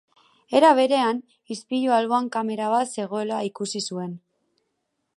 Era berean, ispilu alboan kamera bat zegoela ikusi zuen.